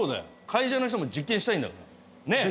会社の人も実験したいんだからねえ